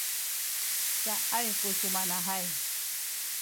cacay ku sumanahay